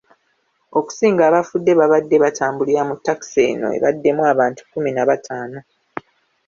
Okusinga abafudde babadde batambulira mu takisi eno ebaddemu abantu kkumi na bataano.